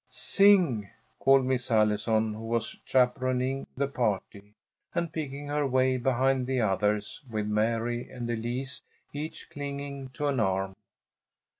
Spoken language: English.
"Sing!" called Miss Allison, who was chaperoning the party, and picking her way behind the others with Mary and Elise each clinging to an arm.